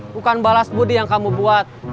bukan balas budi yang kamu buat